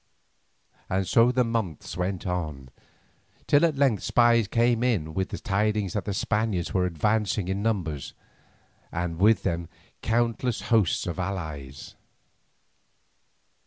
And so the months went on, till at length spies came in with the tidings that the Spaniards were advancing in numbers, and with them countless hosts of allies.